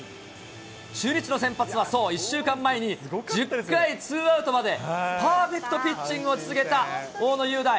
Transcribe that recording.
中日の先発はそう、１週間前に１０回ツーアウトまでパーフェクトピッチングを続けた大野雄大。